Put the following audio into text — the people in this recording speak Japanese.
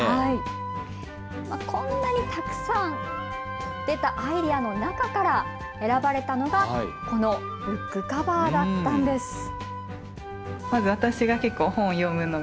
こんなにたくさん出たアイデアの中から選ばれたのがこのブックカバーだったんです。